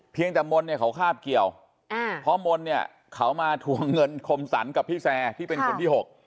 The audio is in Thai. เพียงแต่มนที่เขาคาบเกี่ยวเพราะมนที่เขามาทวงเงินคมสรรค์กับพี่แซร์ที่เป็นคนที่๖